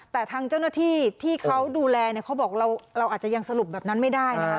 แต่ทางเจ้าหน้าที่ที่เขาดูแลเนี่ยเขาบอกเราอาจจะยังสรุปแบบนั้นไม่ได้นะคะ